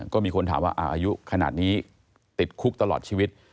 ก็มีคนถามว่าอายุขนาดนี้ติดคุกตลอดชีวิต